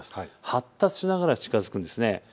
発達しながら近づくんです。